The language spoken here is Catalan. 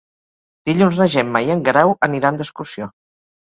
Dilluns na Gemma i en Guerau aniran d'excursió.